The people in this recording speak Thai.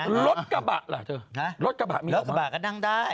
รถกระบะหรอรถกระบะมีเอาใหม่